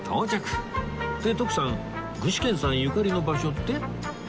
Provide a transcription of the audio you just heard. で徳さん具志堅さんゆかりの場所って？